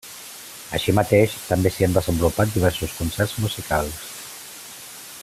Així mateix també s'hi han desenvolupat diversos concerts musicals.